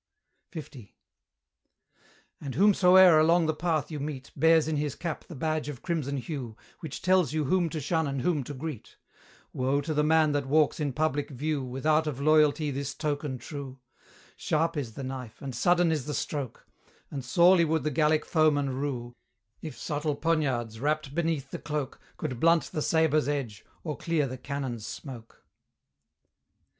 L. And whomsoe'er along the path you meet Bears in his cap the badge of crimson hue, Which tells you whom to shun and whom to greet: Woe to the man that walks in public view Without of loyalty this token true: Sharp is the knife, and sudden is the stroke; And sorely would the Gallic foemen rue, If subtle poniards, wrapt beneath the cloak, Could blunt the sabre's edge, or clear the cannon's smoke.